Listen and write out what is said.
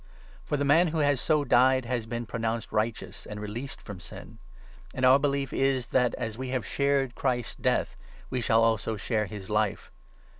For the man who has so died has been pro 7 nounced righteous and released from Sin. And our belief is, 8 that, as we have shared Christ's Death, we shall also share his Life.